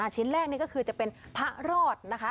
ชิ้นแรกนี่ก็คือจะเป็นพระรอดนะคะ